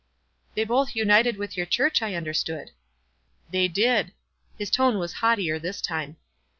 "They both dinted with your church, I un derstood." "They did." His tone was haughtier this time.